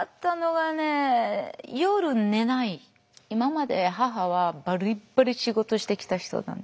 今まで母はバリッバリ仕事してきた人なんですよね。